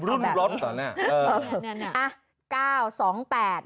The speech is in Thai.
รุ่นรถเหรอเนี่ย